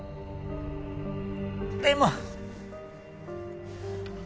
でも。